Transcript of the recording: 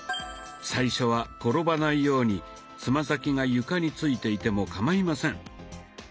最初は転ばないようにつま先が床についていてもかまいません。